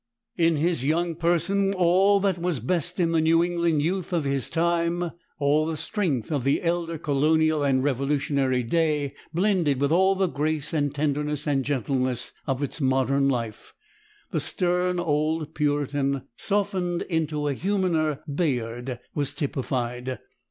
In his young person all that was best in the New England youth of his time, all the strength of the elder colonial and Revolutionary day, blended with all the grace and tenderness and gentleness of its modern life, the stern old Puritan softened into a humaner Bayard, was typified.